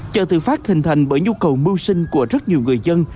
chợ tự phát hình thành bởi nhu cầu mưu sinh của rất nhiều người dân